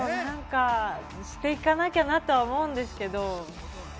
何かしていかなきゃなと思うんですけれど。